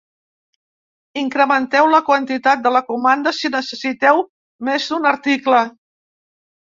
Incrementeu la quantitat de la comanda si necessiteu més d'un article.